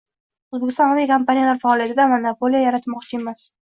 O‘zbekiston aviakompaniyalar faoliyatida monopoliya yaratmoqchi emas